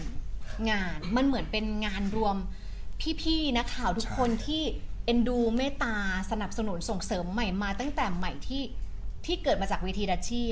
งานมันเหมือนเป็นงานรวมพี่นักข่าวทุกคนที่เอ็นดูเมตตาสนับสนุนส่งเสริมใหม่มาตั้งแต่ใหม่ที่เกิดมาจากเวทีดัชชี่